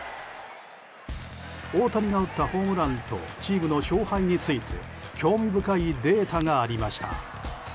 大谷が打ったホームランとチームの勝敗について興味深いデータがありました。